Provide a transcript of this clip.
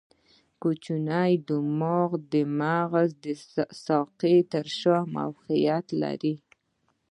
کوچنی دماغ د مغز د ساقې تر شا موقعیت لري.